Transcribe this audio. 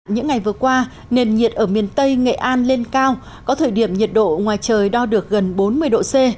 những ngày vừa qua nền nhiệt ở miền tây nghệ an lên cao có thời điểm nhiệt độ ngoài trời đo được gần bốn mươi độ c